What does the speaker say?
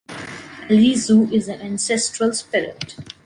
Alizu is an ancestral spirit.